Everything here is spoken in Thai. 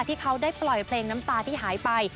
ที่เขาได้ปล่อยเพลงน้ำตาที่หายไป